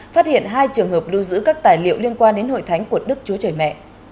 phát hiện hai trường hợp lưu giữ các tài liệu liên quan đến hội thánh của đức chúa trời mẹ